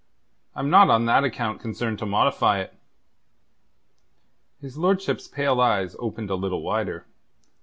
I'm not on that account concerned to modify it." His lordship's pale eyes opened a little wider.